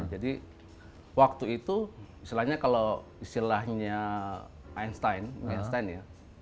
jadi waktu itu istilahnya kalau istilahnya einstein ya